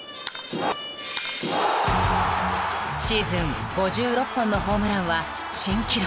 ［シーズン５６本のホームランは新記録］